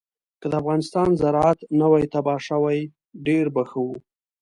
که د افغانستان زراعت نه وی تباه شوی ډېر به ښه وو.